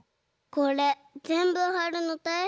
これぜんぶはるのたいへんだよね。